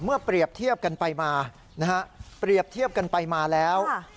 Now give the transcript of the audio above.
เปรียบเทียบกันไปมานะฮะเปรียบเทียบกันไปมาแล้ว